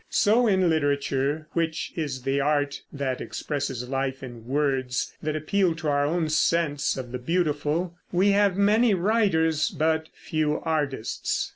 So in literature, which is the art that expresses life in words that appeal to our own sense of the beautiful, we have many writers but few artists.